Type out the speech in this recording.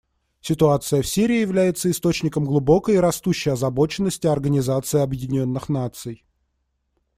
Ситуация в Сирии является источником глубокой и растущей озабоченности Организации Объединенных Наций.